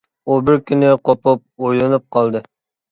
ئۇ بىر كۈنى قوپۇپ ئويلىنىپ قالدى.